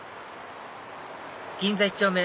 銀座一丁目